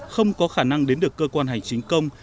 không có khả năng đến được cơ quan hành chính công